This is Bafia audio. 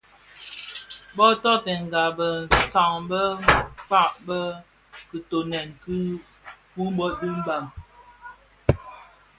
Bō toňdènga besan be kpag bë kitoňèn ki Fumbot dhi Mbam.